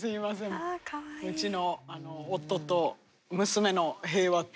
うちの夫と娘の平和と。